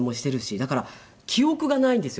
だから記憶がないんですよ